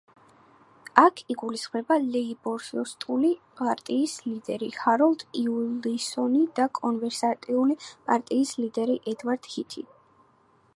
აქ იგულისხმება ლეიბორისტული პარტიის ლიდერი ჰაროლდ უილსონი და კონსერვატიული პარტიის ლიდერი ედვარდ ჰითი.